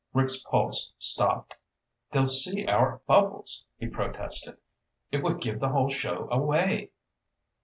Rick's pulse stopped. "They'll see our bubbles," he protested. "It would give the whole show away!"